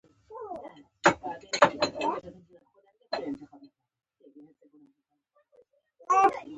او د یو سلاټ ماشین انځور هم و